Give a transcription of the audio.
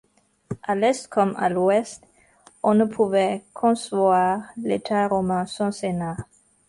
À l’Est comme à l’Ouest on ne pouvait concevoir l’État romain sans Sénat.